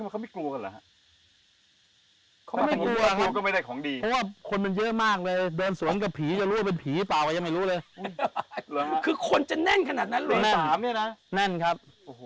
ก็ถือว่าเป็นอีกที่หนึ่งนะครับ